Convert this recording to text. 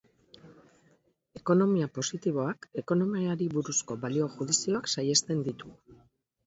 Ekonomia positiboak ekonomiari buruzko balio-judizioak saihesten ditu.